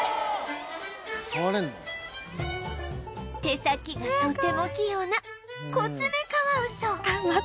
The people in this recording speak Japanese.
手先がとても器用なコツメカワウソ